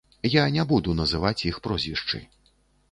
Я не буду называць іх прозвішчы.